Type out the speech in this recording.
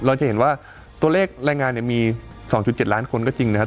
เราจะเห็นว่าตัวเลขรายงานมี๒๗ล้านคนก็จริงนะครับ